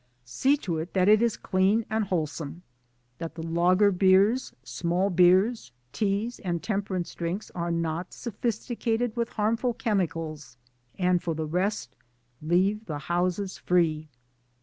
See to it that that is clean and wholesome that the lager beers, small beers, teas and temperance drinks are not sophisticated with harmful chemicals and for the rest leave the houses free.